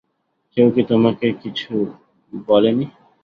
কেউ কি তোমাকে কিছু বলে নি?